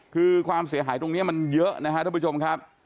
คือความเสียหายตรงนี้มันเยอะนะครับท่านผู้ชมครับ